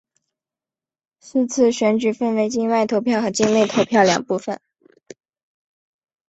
是次选举分为境外投票和境内投票两部分。